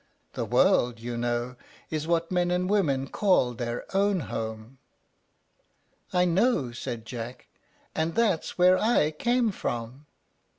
The world, you know, is what men and women call their own home." "I know," said Jack; "and that's where I came from."